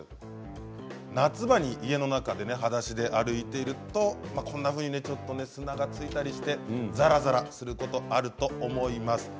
夏場に家の中ではだしで歩いているとこんなふうに砂がついたりしてざらざらすることがあると思います。